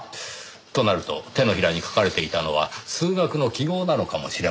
となると手のひらに書かれていたのは数学の記号なのかもしれません。